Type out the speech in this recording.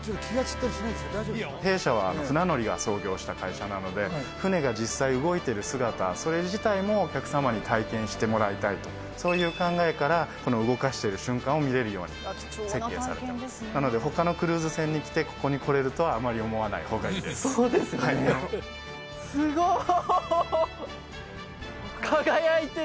弊社は船乗りが創業した会社なので船が実際動いてる姿それ自体もお客様に体験してもらいたいとそういう考えからこの動かしてる瞬間を見れるように設計されてますなので他のクルーズ船に来てここに来れるとはあまり思わない方がいいですそうですねすごっ！